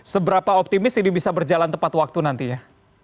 seberapa optimis ini bisa berjalan tepat waktu nantinya